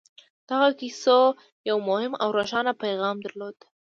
دغو کيسو يو مهم او روښانه پيغام درلود.